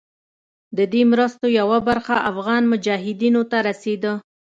د دې مرستو یوه برخه افغان مجاهدینو ته رسېده.